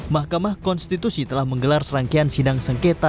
mahkamah konstitusi telah menggelar serangkaian sidang sengketa